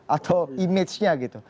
atau image nya gitu